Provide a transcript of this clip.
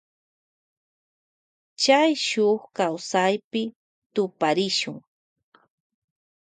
Chay shuk kawsaypi tuparishun.